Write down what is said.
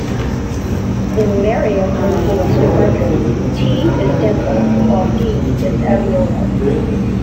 In Meriam influenced Broken, t is dental, while d is alveolar.